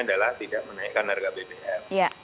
adalah tidak menaikan harga pbn